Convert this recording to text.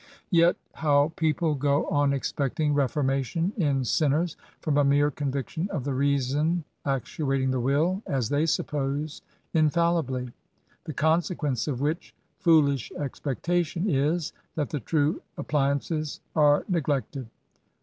Yet, how people go on expecting reformation in sinners &om a mere conviction of the reason actuating the will^ as they suppose, infallibly! the consequence of which foolish ex pectation is, that the true appliances are neglected.